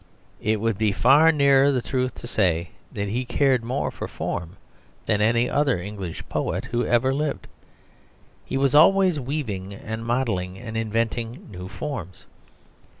It would be far nearer the truth to say that he cared more for form than any other English poet who ever lived. He was always weaving and modelling and inventing new forms.